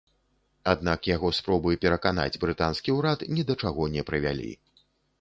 Аднак яго спробы пераканаць брытанскі ўрад ні да чаго не прывялі.